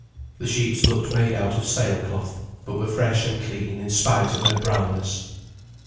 The sheets looked made out of sail cloth, but were fresh and clean in spite of their brownness.